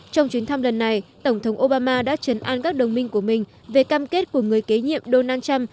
trong chuyến thăm lần này tổng thống obama đã chấn an các đồng minh của mình về cam kết của người kế nhiệm donald trump